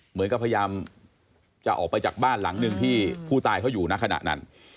เหมือนกับพยายามจะออกไปจากบ้านหลังหนึ่งที่ผู้ตายเขาอยู่ในขณะนั้น